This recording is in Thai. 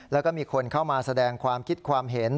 แล้วก็มีคนเข้ามาแสดงความคิดความเห็น